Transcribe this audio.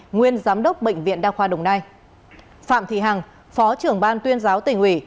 nguyên giám đốc bệnh viện đa khoa đồng nai phạm thị hằng phó trưởng ban tuyên giáo tỉnh ủy